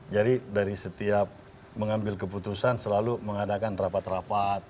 jadi dari setiap mengambil keputusan selalu mengadakan rapat rapat